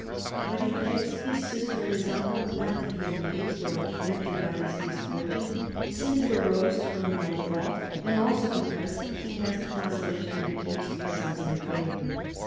But he begs his sister and his uncle not to be amazed or afflicted by this misfortune, since it arose from no fault ; and also because he has the consolation of the King's presence and favour.